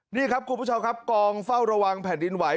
นี่ครับคุณผู้ชมครับกองเฝ้าระวังแผ่นดินไหว